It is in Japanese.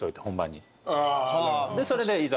それでいざ